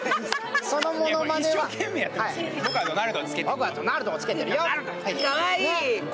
僕はドナルドをつけてるよ。